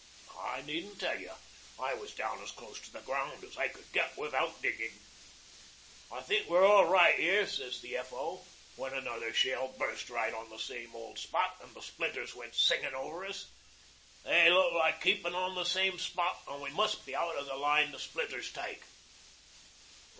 I needn't tell you I was down as close to the ground as I could get without digging. "I think we're all right here," sez the F.O., when another shell bust right on the old spot an' the splinters went singin' over us. "They look like keepin' on the same spot, and we must be out of the line the splinters take."